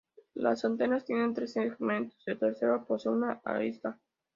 Las antenas tienen tres segmentos, el tercero posee una arista.